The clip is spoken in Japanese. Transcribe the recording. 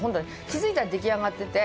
気づいたら出来上がってて。